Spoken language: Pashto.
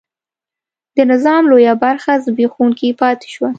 د نظام لویه برخه زبېښونکې پاتې شوه.